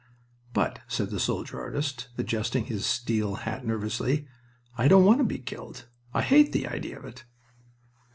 "But," said the soldier artist, adjusting his steel hat nervously, "I don't want to be killed! I hate the idea of it!"